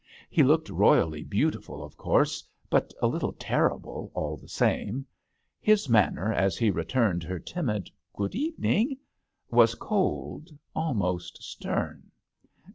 He looked royally beautiful, of course, but a little terrible all the same. His man ner, as he returned her timid "Good evening," was cold, al most stern.